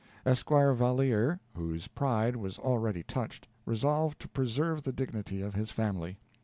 Esquire Valeer, whose pride was already touched, resolved to preserve the dignity of his family.